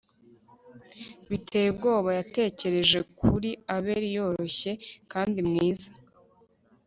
Biteye ubwoba yatekereje kuri Abeli yoroshye kandi mwiza